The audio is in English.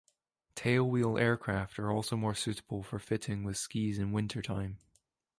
Tailwheel aircraft are also more suitable for fitting with skis in wintertime.